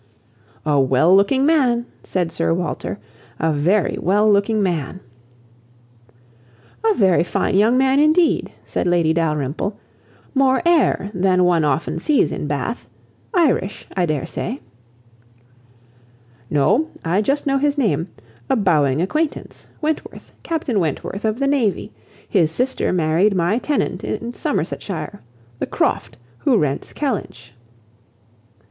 "A well looking man," said Sir Walter, "a very well looking man." "A very fine young man indeed!" said Lady Dalrymple. "More air than one often sees in Bath. Irish, I dare say." "No, I just know his name. A bowing acquaintance. Wentworth; Captain Wentworth of the navy. His sister married my tenant in Somersetshire, the Croft, who rents Kellynch."